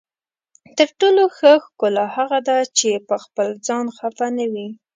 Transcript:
تر ټولو ښه ښکلا هغه ده چې پخپل ځان خفه نه وي.